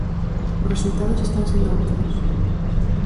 Os resultados están sendo óptimos.